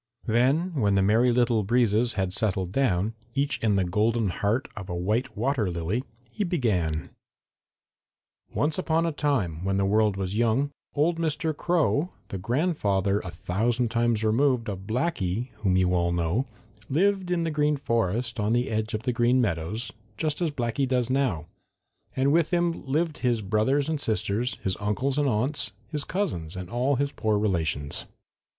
Then, when the Merry Little Breezes had settled down, each in the golden heart of a white water lily, he began: "Once upon a time, when the world was young, old Mr. Crow, the grandfather a thousand times removed of Blacky, whom you all know, lived in the Green Forest on the edge of the Green Meadows, just as Blacky does now, and with him lived his brothers and sisters, his uncles and aunts, his cousins and all his poor relations.